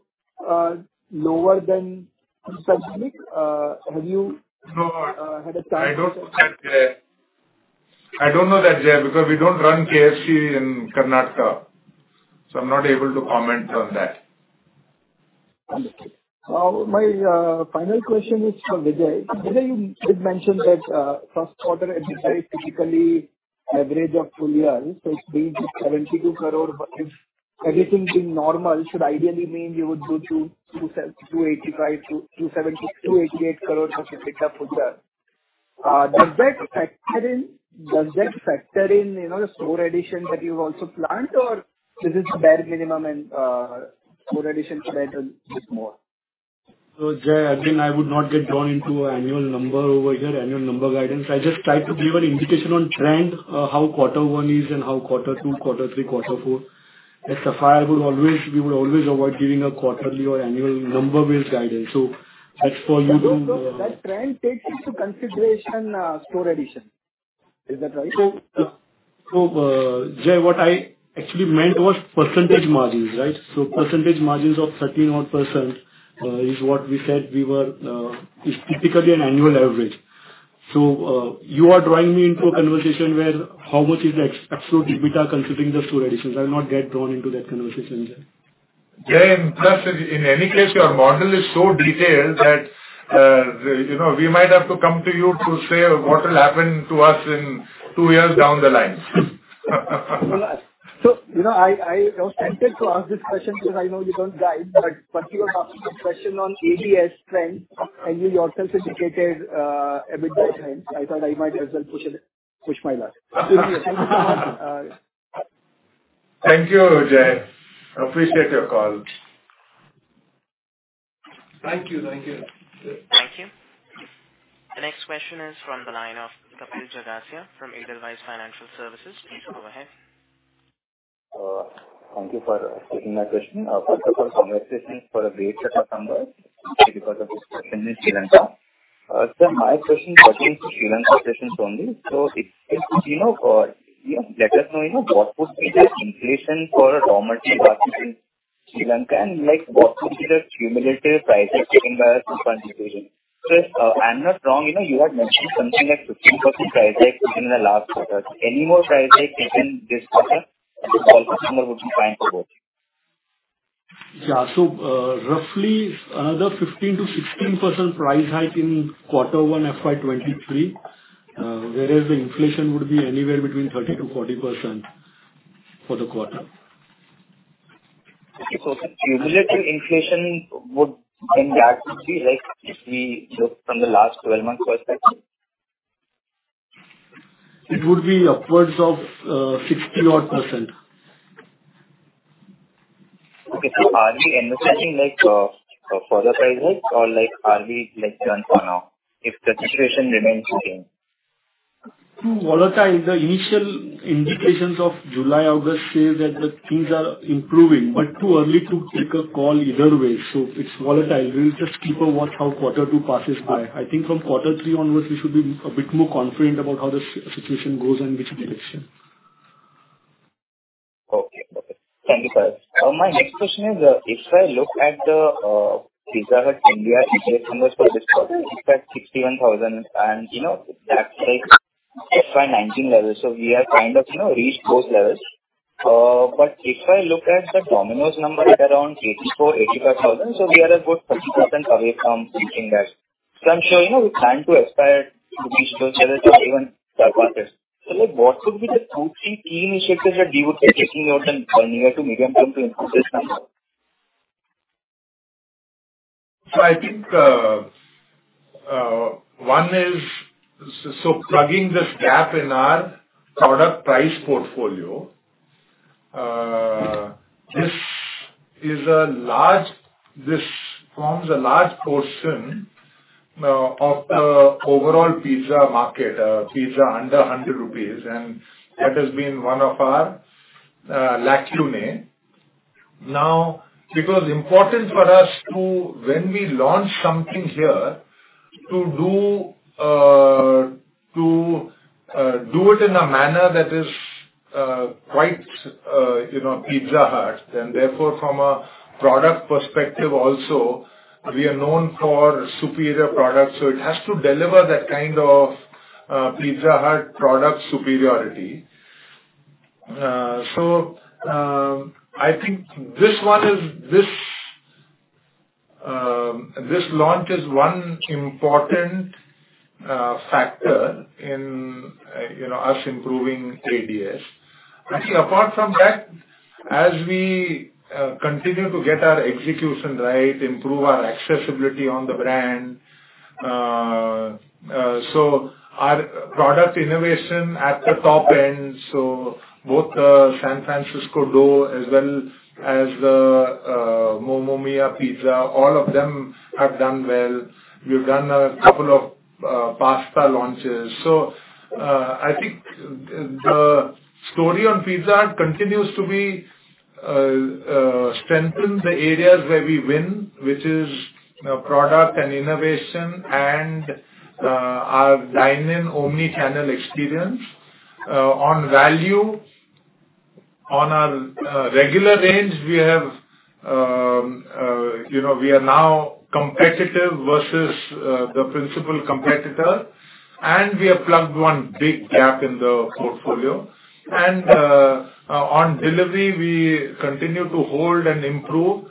lower than in suburban. Have you- No -uh, had a chance to- I don't know that, Jay, because we don't run KFC in Karnataka, so I'm not able to comment on that. Understood. My final question is for Vijay. Vijay, you did mention that first quarter EBITDA is typically average of full year. It's 72 crore, but if everything's been normal, should ideally mean you would do 285 crore-288 crore of EBITDA further. Does that factor in, you know, the store additions that you also planned, or this is bare minimum and store additions to that will be more? Jay, again, I would not get drawn into annual number over here, annual number guidance. I just try to give an indication on trend, how quarter one is and how quarter two, quarter three, quarter four. At Sapphire, we would always avoid giving a quarterly or annual number-based guidance. So that's for you to, Does that trend take into consideration store addition? Is that right? Jay, what I actually meant was percentage margins, right? Percentage margins of 13-odd% is what we said we were. It is typically an annual average. So you are drawing me into a conversation where how much is the absolute EBITDA considering the store additions. I'll not get drawn into that conversation, Jay. Jay, plus, in any case, your model is so detailed that, you know, we might have to come to you to say what will happen to us in two years down the line. You know, I was tempted to ask this question because I know you don't guide, but you were asking a question on ADS trend, and you yourself indicated EBITDA trend. I thought I might as well push my luck. Thank you so much. Thank you, Jay. Appreciate your call. Thank you. Thank you. Thank you. The next question is from the line of Kapil Jagasia from Edelweiss Financial Services. Please go ahead. Thank you for taking my question. First of all, congratulations for a great set of numbers because of the situation in Sri Lanka. Sir, my question pertains to the Sri Lanka situation only. If you know, let us know what would be the inflation for raw material cost in Sri Lanka, and like what would be the cumulative price hike taken by us in the current situation. And if I'm not wrong, you had mentioned something like 15% price hike even in the last quarter. Any more price hike even this quarter, the customer would be fine with both? So roughly another 15%-16% price hike in quarter one FY 2023, whereas the inflation would be anywhere between 30%-40% for the quarter. Okay. Cumulative inflation would impact be like if we look from the last 12 months perspective? It would be upwards of 60-odd%. Are we understanding like further price hikes or like are we like done for now if the situation remains the same? Too volatile. The initial indications of July, August say that the things are improving, but too early to take a call either way. It's volatile. We'll just keep a watch how quarter two passes by. I think from quarter three onwards, we should be a bit more confident about how the situation goes and which direction. Okay. Perfect. Thank you, sir. My next question is, if I look at the Pizza Hut India EBIT numbers for this quarter, it's at 61,000, and you know that's like FY 2019 levels. We have kind of, you know, reached those levels. But if I look at the Domino's number at around 84,000-85,000, we are about 30% away from reaching that. I'm sure, you know, with time we expect, we should reach those levels or even surpass it. Like what could be the two, three key initiatives that you would be taking out in nearer to medium term to improve this number? I think one is plugging this gap in our product price portfolio. This forms a large portion of the overall pizza market, pizza under 100 rupees, and that has been one of our lacunae. Now, because it's important for us to when we launch something here to do it in a manner that is quite, you know, Pizza Hut. And therefore, from a product perspective also, we are known for superior products, so it has to deliver that kind of Pizza Hut product superiority. I think this launch is one important factor in, you know, us improving ADS. I think apart from that, as we continue to get our execution right, improve our accessibility on the brand, so our product innovation at the top end, so both the San Francisco Style as well as the Momo Mia Pizza, all of them have done well. We've done a couple of pasta launches. I think the story on Pizza Hut continues to be strengthen the areas where we win, which is, you know, product and innovation and our dine-in omni-channel experience. On value. On our regular range, we have, you know, we are now competitive versus the principal competitor, and we have plugged one big gap in the portfolio. On delivery, we continue to hold and improve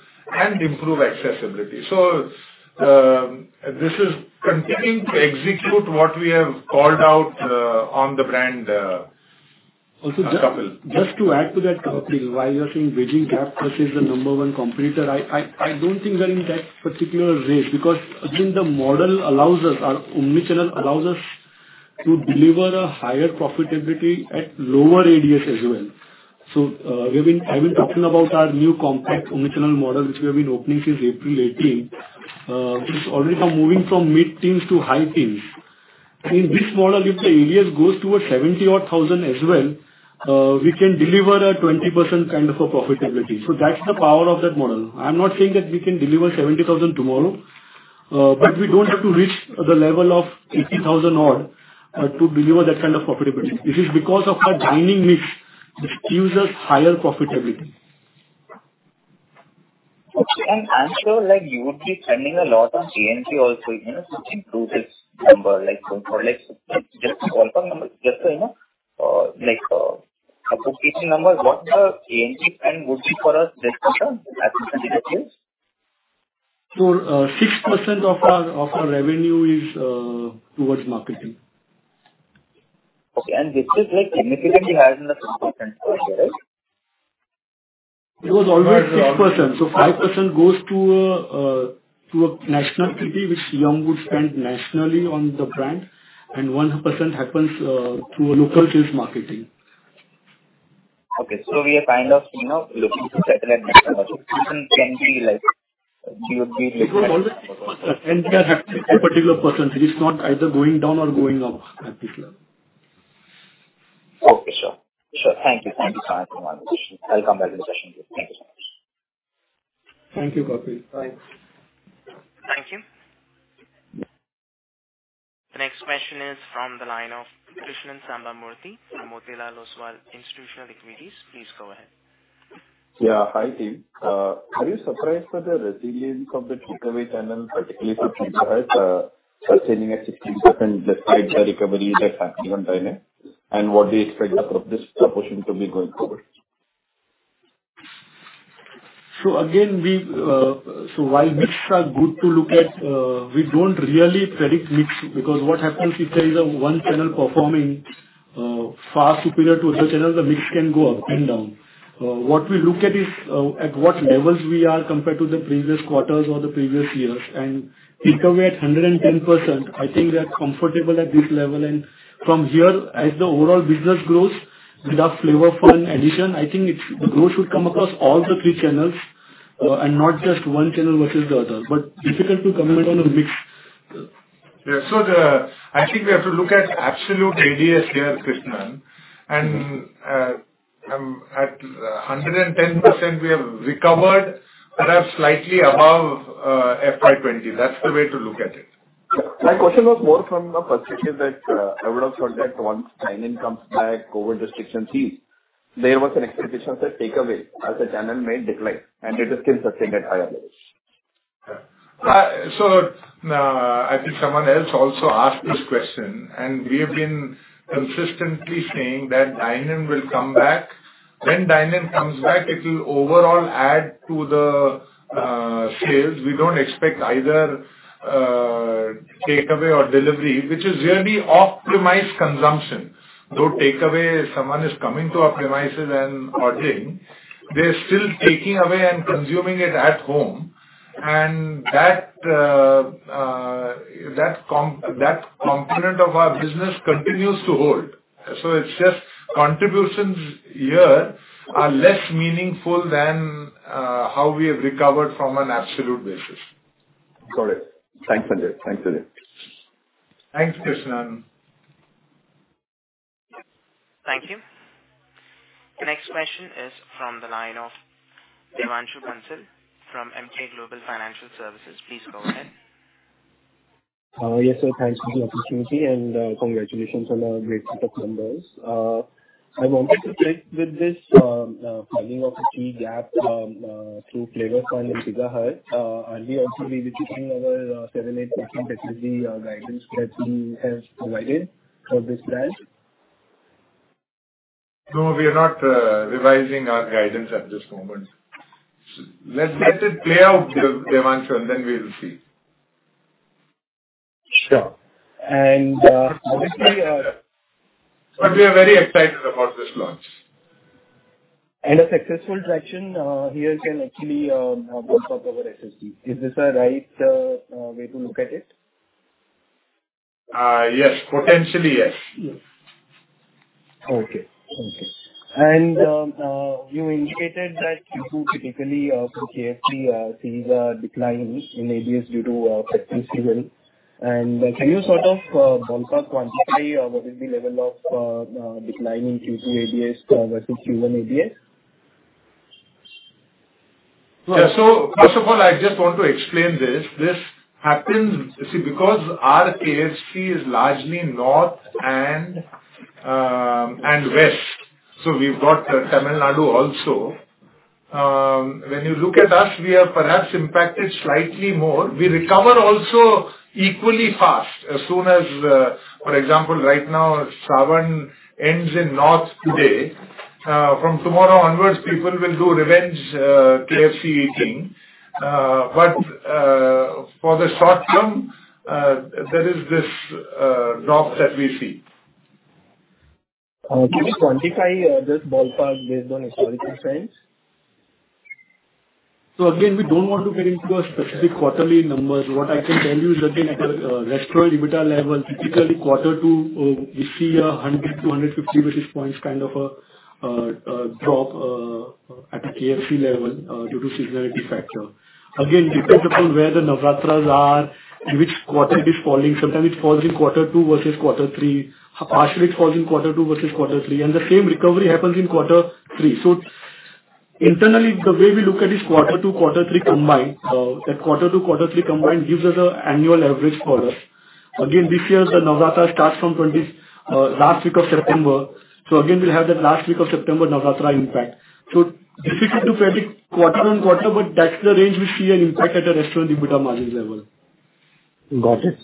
accessibility. So this is continuing to execute what we have called out on the brand, Kapil. Just to add to that, Kapil, while you're saying bridging gap versus the number one competitor, I don't think we're in that particular race because again, the model allows us, our omni-channel allows us to deliver a higher profitability at lower ADS as well. So I've been talking about our new compact omni-channel model, which we have been opening since April 2018, which is already moving from mid-teens to high teens. In this model, if the ADS goes towards 70,000 as well, we can deliver a 20% kind of a profitability. So that's the power of that model. I'm not saying that we can deliver 70,000 tomorrow, but we don't have to reach the level of 80,000, to deliver that kind of profitability. This is because of our dining mix, which gives us higher profitability. Okay. I'm sure, like, you would be spending a lot on A&P also, you know, to improve this number, like, so for, like, just so you know, a specific number, what the A&M plan would be for us this quarter at this stage? 6% of our revenue is towards marketing. Okay. This is, like, significantly higher than the 5% last year, right? It was always 6%. 5% goes to a national kitty, which Yum! would spend nationally on the brand, and 1% happens through a local sales marketing. Okay. We are kind of, you know, looking to settle at that level. 6% can be like GOP related. Can have a particular percentage. It's not either going down or going up at this level. Okay. Sure. Thank you. Thank you so much for your time. I'll come back in the session. Thank you so much. Thank you, Kapil. Bye. Thank you. The next question is from the line of Krishnan Sambamoorthy from Motilal Oswal Institutional Equities. Please go ahead. Yeah, hi, team. Are you surprised by the resilience of the takeaway channel, particularly for Pizza Hut, sustaining at 16% despite the recoveries that's happening on dine-in? What do you expect of this proportion to be going forward? So while mix are good to look at, we don't really predict mix because what happens if there is one channel performing far superior to other channel, the mix can go up and down. What we look at is at what levels we are compared to the previous quarters or the previous years. Takeaway at 110%, I think we are comfortable at this level. From here, as the overall business grows with our Flavour Fun addition, I think the growth should come across all the three channels, and not just one channel versus the other, but difficult to comment on the mix. I think we have to look at absolute ADS here, Krishnan. At 110% we have recovered perhaps slightly above FY 2020. That's the way to look at it. My question was more from the perspective that, I would've thought that once dine-in comes back, COVID restrictions ease, there was an expectation that takeaway as a channel may decline, and it is still sustained at higher levels. I think someone else also asked this question, and we have been consistently saying that dine-in will come back. When dine-in comes back, it'll overall add to the sales. We don't expect neither takeaway or delivery, which is really optimized consumption. Though takeaway someone is coming to our premises and ordering, they're still taking away and consuming it at home, and that component of our business continues to hold. It's just contributions here are less meaningful than how we have recovered from an absolute basis. Got it. Thanks, Sanjay. Thanks, Vijay. Thanks, Krishnan. Thank you. The next question is from the line of Devanshu Bansal from Emkay Global Financial Services. Please go ahead. Yes, sir. Thanks for the opportunity, and congratulations on a great set of numbers. I wanted to check with this filling of a key gap through Flavour Fun in Pizza Hut. Are we also revisiting our 7%-8% SSG guidance that we have provided for this brand? No, we are not revising our guidance at this moment. Let's let it play out, Devanshu, and then we'll see. Sure. We are very excited about this launch. A successful traction here can actually bulk up our SSG. Is this the right way to look at it? Yes. Potentially, yes. Yes. Okay. You indicated that Q2 typically for KFC things are declining in ADS due to festive season. Can you sort of ballpark quantify what is the level of decline in Q2 ADS versus Q1 ADS? First of all, I just want to explain this. This happens, you see, because our KFC is largely north and west, so we've got the Tamil Nadu also. When you look at us, we are perhaps impacted slightly more. We recover also equally fast, as soon as. For example, right now, Sawan ends in north today. From tomorrow onwards, people will do revenge KFC eating. For the short term, there is this drop that we see. Can you quantify this ballpark based on historical trends? So again, we don't want to get into specific quarterly numbers. What I can tell you is that at a restaurant EBITDA level, typically quarter two, we see 100-150 basis points kind of a drop at a KFC level due to seasonality factor. Again, depends upon where the Navaratri are and which quarter it is falling. Sometimes it falls in quarter two versus quarter three. Partially it falls in quarter two versus quarter three, and the same recovery happens in quarter three. Internally, the way we look at is quarter two, quarter three combined. The quarter two, quarter three combined gives us an annual average for us. Again, this year the Navaratri starts from last week of September, so again we'll have the last week of September Navaratri impact. Difficult to predict quarter-on-quarter, but that's the range we see an impact at a restaurant EBITDA margin level. Got it.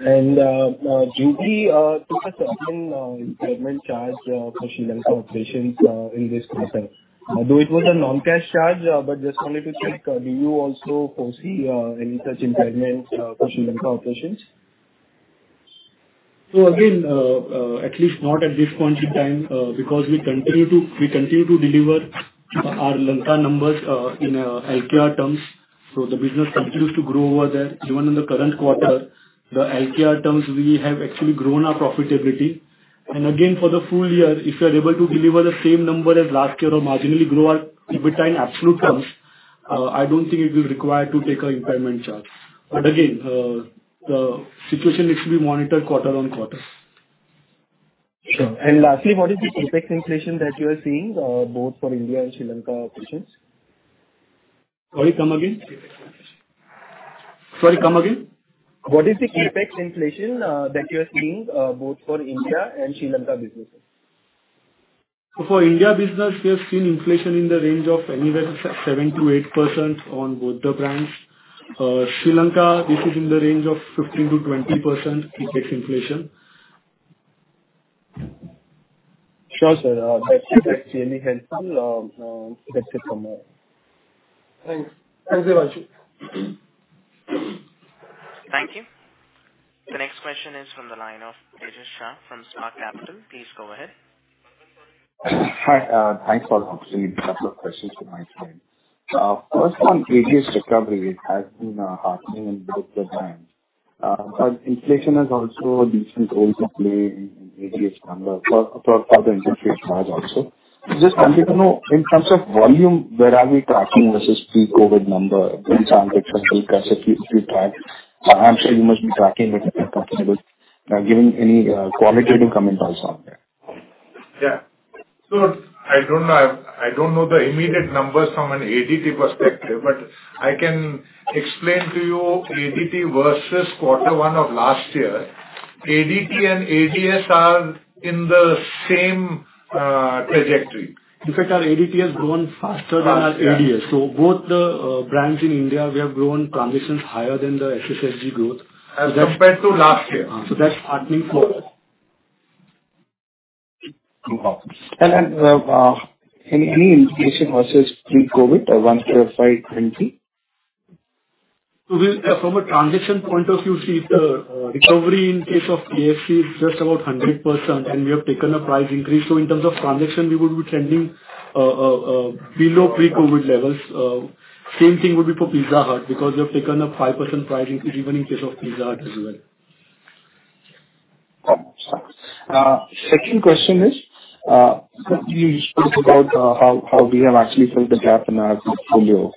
Vijay took a certain impairment charge for Sri Lanka operations in this quarter. Although it was a non-cash charge, but just wanted to check, do you also foresee any such impairments for Sri Lanka operations? So again, at least not at this point in time, because we continue to deliver our Lanka numbers in LKR terms. The business continues to grow over there. Even in the current quarter, in LKR terms we have actually grown our profitability. Again, for the full year, if we are able to deliver the same number as last year or marginally grow our EBITDA in absolute terms, I don't think it will require to take an impairment charge. Again, the situation needs to be monitored quarter on quarter. Sure. And lastly, what is the CapEx inflation that you are seeing, both for India and Sri Lanka operations? Sorry, come again. CapEx inflation. Sorry, come again. What is the CapEx inflation that you are seeing both for India and Sri Lanka businesses? For India business, we have seen inflation in the range of anywhere between 7%-8% on both the brands. Sri Lanka, this is in the range of 15%-20% CapEx inflation. Sure, sir. That's actually helpful to get it from there. Thanks. Thanks very much. Thank you. The next question is from the line of Tejash Shah from Spark Capital. Please go ahead. Hi. Thanks for the opportunity. A couple of questions from my side. First on ADS recovery, it has been heartening in both the brands. But inflation has also a decent role to play in ADS numbers for the in-store as well also. Just wanted to know in terms of volume, where are we tracking versus pre-COVID number in terms of central cash if you track. I'm sure you must be tracking it at the company level. Giving any qualitative comments also on that. Yeah. I don't know the immediate numbers from an ADT perspective, but I can explain to you ADT versus quarter one of last year. ADT and ADS are in the same trajectory. In fact, our ADT has grown faster than our ADS. Yes. Both the brands in India, we have grown transactions higher than the SSSG growth. That's As compared to last year. That's heartening for us. Okay. Any inflation versus pre-COVID or one tiered currently? From a transition point of view, see the recovery in case of KFC is just about 100%, and we have taken a price increase, so in terms of transition we will be trending below pre-COVID levels. Same thing would be for Pizza Hut, because we have taken a 5% price increase even in case of Pizza Hut as well. Second question is, you spoke about how we have actually filled the gap in our portfolio.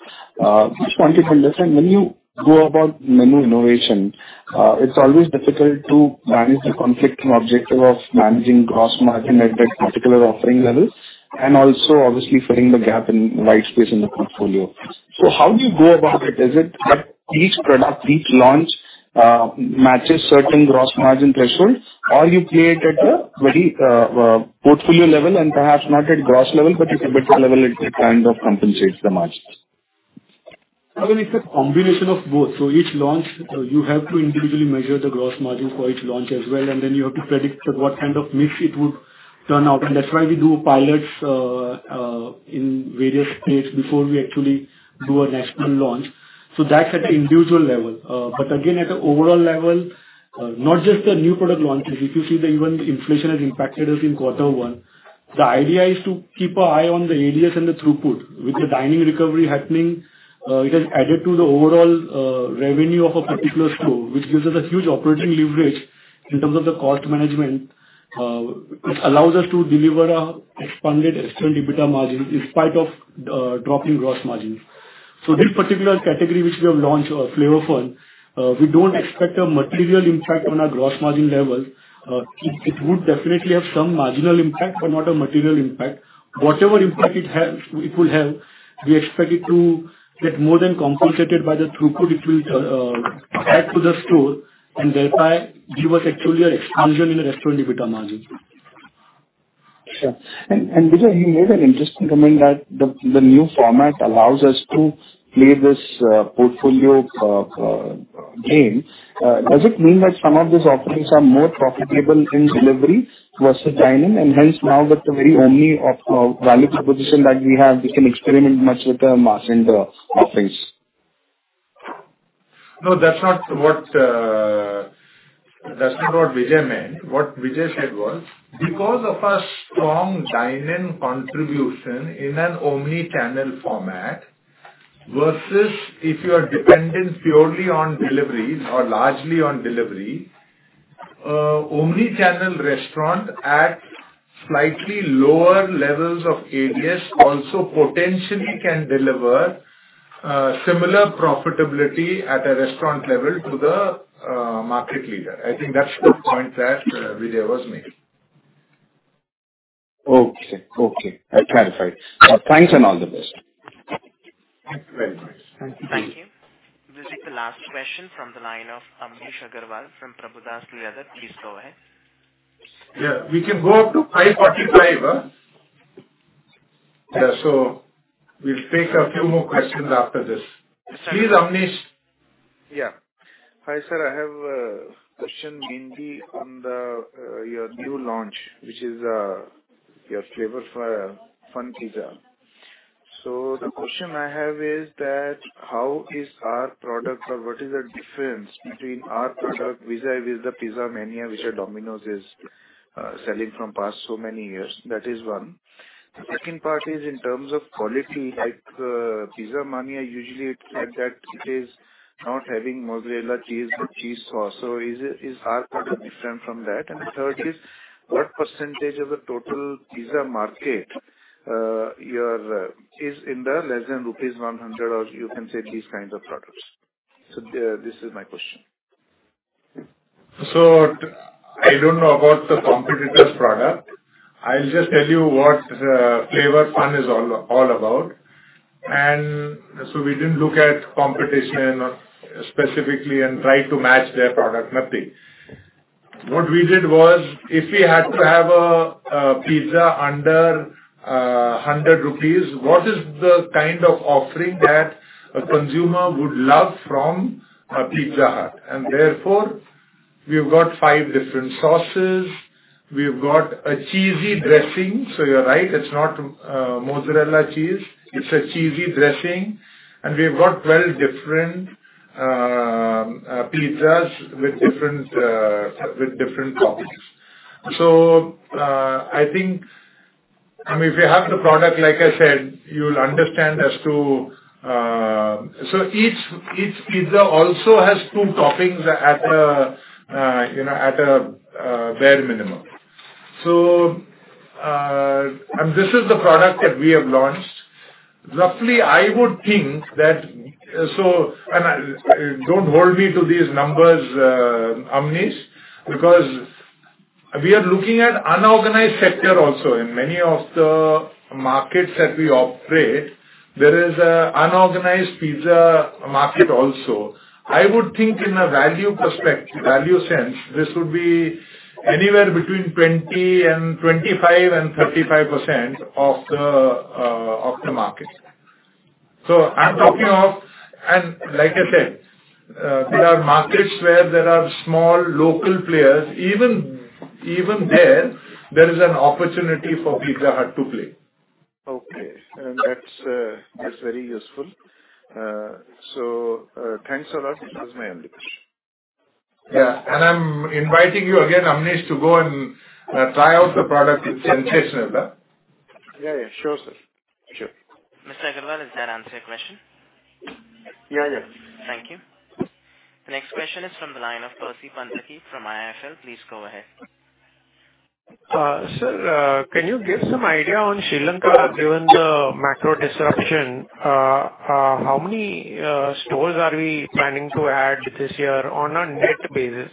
Just wanted to understand when you go about menu innovation, it's always difficult to manage the conflicting objective of managing gross margin at that particular offering levels and also obviously filling the gap in white space in the portfolio. So how do you go about it? Is it that each product, each launch, matches certain gross margin thresholds, or you play it at a very portfolio level and perhaps not at gross level, but if EBITDA level it kind of compensates the margins? I mean, it's a combination of both. Each launch, you have to individually measure the gross margin for each launch as well, and then you have to predict that what kind of mix it would turn out. That's why we do pilots in various states before we actually do a national launch. So that's at an individual level. Again at an overall level, not just the new product launches, if you see, then even inflation has impacted us in quarter one. The idea is to keep an eye on the ADS and the throughput. With the dining recovery happening, it has added to the overall revenue of a particular store, which gives us a huge operating leverage in terms of the cost management, which allows us to deliver an expanded restaurant EBITDA margin in spite of dropping gross margins. So this particular category which we have launched, Flavour Fun, we don't expect a material impact on our gross margin levels. It would definitely have some marginal impact, but not a material impact. Whatever impact it has, we expect it to get more than compensated by the throughput it will add to the store and thereby give us actually an expansion in the restaurant EBITDA margin. Sure. Vijay, you made an interesting comment that the new format allows us to play this portfolio game. Does it mean that some of these offerings are more profitable in delivery versus dine-in and hence now with the variety of value proposition that we have, we can experiment much with the margins of the offerings? No, that's not what Vijay meant. What Vijay said was because of a strong dine-in contribution in an omni-channel format versus if you are dependent purely on delivery or largely on delivery, omni-channel restaurant at slightly lower levels of ADS also potentially can deliver similar profitability at a restaurant level to the market leader. I think that's the point that Vijay was making. Okay. I'm clear. Thanks, and all the best. Thank you very much. Thank you. Thank you. This is the last question from the line of Amnish Aggarwal from Prabhudas Lilladher. Please go ahead. Yeah. We can go up to 5:45. Yeah. We'll take a few more questions after this. Please, Amnish. Yeah. Hi, sir. I have a question mainly on the, your new launch, which is, your Flavour Fun pizza. The question I have is that how is our product or what is the difference between our product vis-à-vis the Pizza Mania, which Domino's is, selling from past so many years? That is one. The second part is in terms of quality, like, Pizza Mania usually it's said that it is not having mozzarella cheese or cheese sauce. Is our product different from that? And third is what percentage of the total pizza market, your, is in the less than rupees 100 or you can say these kinds of products? This is my question. So I don't know about the competitor's product. I'll just tell you what Flavour Fun is all about. We didn't look at competition specifically and try to match their product, nothing. What we did was if we had to have a pizza under 100 rupees, what is the kind of offering that a consumer would love from a Pizza Hut? So therefore, we've got five different sauces. We've got a cheesy dressing. So you're right, it's not mozzarella cheese. It's a cheesy dressing. We've got 12 different pizzas with different toppings. I think, I mean, if you have the product, like I said, you'll understand as to. Each pizza also has two toppings at a, you know, at a bare minimum. So this is the product that we have launched. Roughly, I would think that, don't hold me to these numbers, Amnish, because we are looking at unorganized sector also. In many of the markets that we operate, there is an unorganized pizza market also. I would think in a value perspective, value sense, this would be anywhere between 20% and 25% and 35% of the market. I'm talking of, like I said, there are markets where there are small local players. Even there is an opportunity for Pizza Hut to play. Okay. That's very useful. Thanks a lot. That was my only question. Yeah. I'm inviting you again, Amnish, to go and try out the product. It's sensational. Yeah, yeah. Sure, sir. Sure. Mr. Aggarwal, does that answer your question? Yeah, yeah. Thank you. The next question is from the line of Percy Panthaki from IIFL. Please go ahead. Sir, can you give some idea on Sri Lanka, given the macro disruption, how many stores are we planning to add this year on a net basis?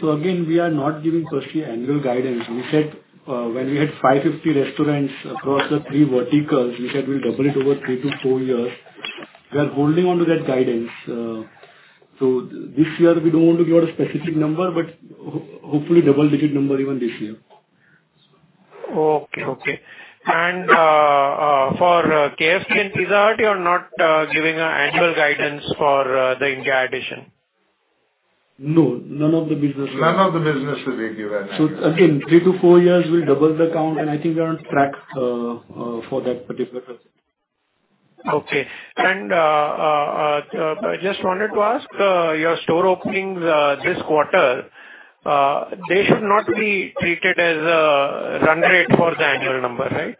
So again, we are not giving Percy annual guidance. We said, when we had 550 restaurants across the three verticals, we said we'll double it over three-four years. We are holding on to that guidance. This year we don't want to give out a specific number, but hopefully double-digit number even this year. Okay. For KFC and Pizza Hut, you're not giving an annual guidance for the Indian addition? No, none of the businesses. None of the businesses we give annual guidance. So again, three-four years we'll double the count, and I think we're on track for that particular. Okay. I just wanted to ask, your store openings, this quarter, they should not be treated as a run rate for the annual number, right?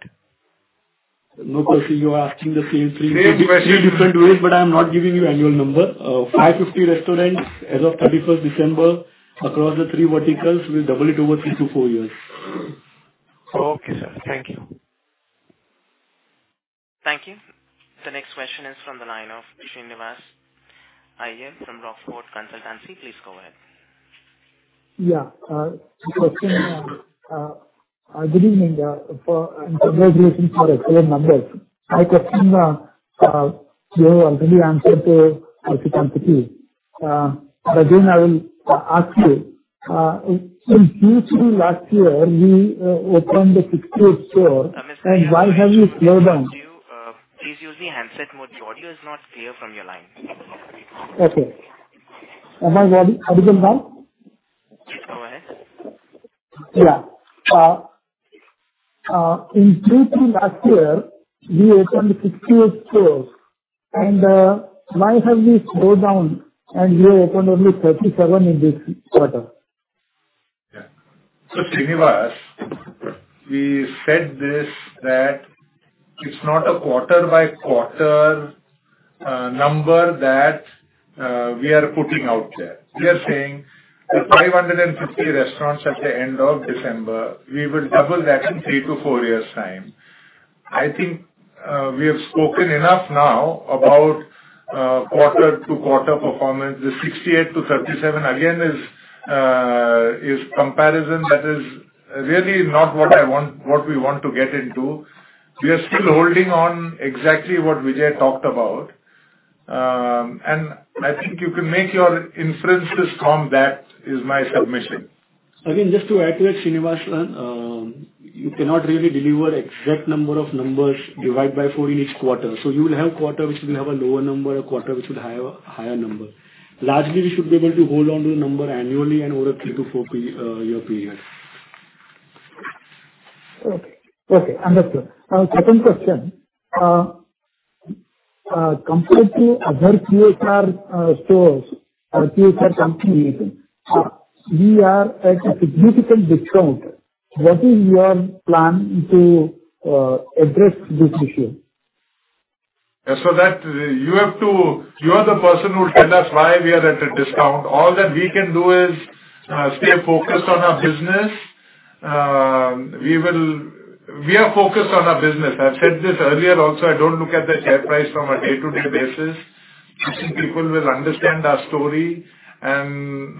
No, Percy, you are asking the same three. Same question.... three different ways, but I'm not giving you annual number. 550 restaurants as of 31st December across the three verticals. We'll double it over three-four years. Okay, sir. Thank you. Thank you. The next question is from the line of Srinivas Aiyar from Rockfort Consultancy. Please go ahead. Yeah. Good evening, and congratulations on excellent numbers. My question, you have already answered to a few companies. Again, I will ask you, in Q2 last year, we opened the 68th store. Why have you slowed down? Mr. Aiyar, could you please use the handset mode. The audio is not clear from your line. Okay. Am I audible now? Please go ahead. Yeah. In Q2 last year, we opened 68 stores. Why have you slowed down and you opened only 37 in this quarter? Srinivas, we said this that it's not a quarter-by-quarter number that we are putting out there. We are saying the 550 restaurants at the end of December, we will double that in three-four years' time. I think we have spoken enough now about quarter-to-quarter performance. The 68-37, again, is a comparison that is really not what we want to get into. We are still holding on exactly what Vijay Jain talked about. And I think you can make your inferences from that, is my submission. Again, just to add to that, Srinivas, you cannot really deliver exact number of numbers divide by four in each quarter. So you will have quarter which will have a lower number, a quarter which will have a higher number. Largely, we should be able to hold on to the number annually and over a three-four year period. Okay, understood. Second question. Compared to other QSR stores or QSR company, we are at a significant discount. What is your plan to address this issue? You are the person who will tell us why we are at a discount. All that we can do is stay focused on our business. We are focused on our business. I've said this earlier also, I don't look at the share price on a day-to-day basis. I think people will understand our story and,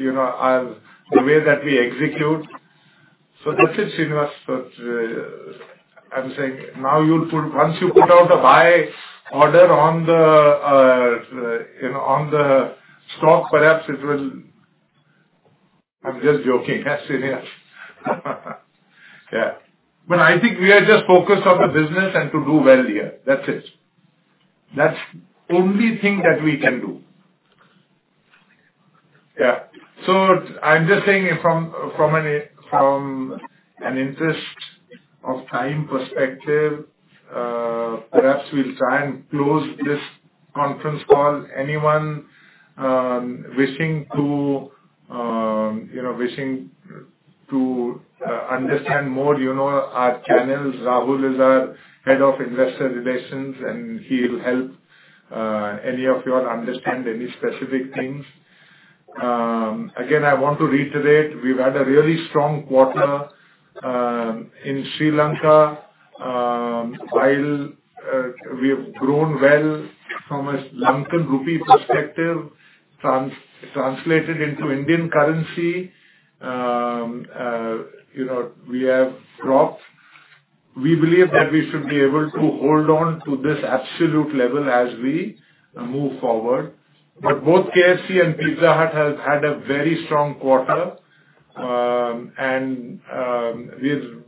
you know, our, the way that we execute. So that's it, Srinivas. Once you put out a buy order on the, you know, on the stock, perhaps it will. I'm just joking, Srinivas. Yeah. I think we are just focused on the business and to do well here. That's it. That's only thing that we can do. Yeah. I'm just saying from an in the interest of time perspective, perhaps we'll try and close this conference call. Anyone wishing to understand more, you know our channels. Rahul is our Head of Investor Relations, and he'll help any of you all understand any specific things. Again, I want to reiterate, we've had a really strong quarter in Sri Lanka. While we have grown well from a Lankan rupee perspective, translated into Indian currency, you know, we have dropped. We believe that we should be able to hold on to this absolute level as we move forward. But both KFC and Pizza Hut has had a very strong quarter. We've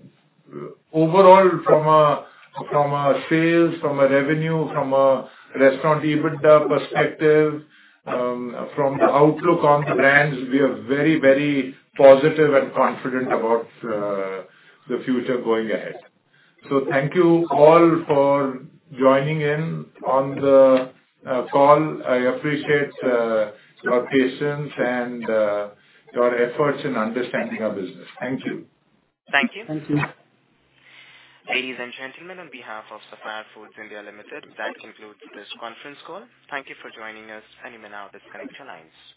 overall from a sales, revenue, restaurant EBITDA perspective, from the outlook on brands, we are very, very positive and confident about the future going ahead. So thank you all for joining in on the call. I appreciate your patience and your efforts in understanding our business. Thank you. Thank you. Thank you. Ladies and gentlemen, on behalf of Sapphire Foods India Limited, that concludes this conference call. Thank you for joining us, and you may now disconnect your lines.